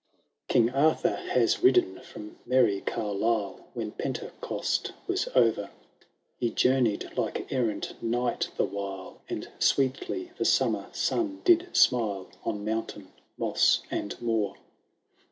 ■ Kino Arthub has ridden from merry Carlisle, When Pentecost was o*er : He journey^ like errant knight the while. And sweetly the sommer son did imile On mountain, moss, and moor.